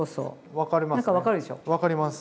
分かります。